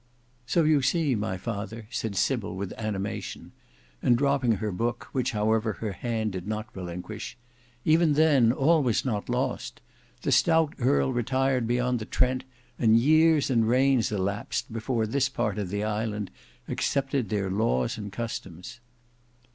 "So you see, my father," said Sybil with animation, and dropping her book which however her hand did not relinquish, "even then all was not lost. The stout earl retired beyond the Trent, and years and reigns elapsed before this part of the island accepted their laws and customs."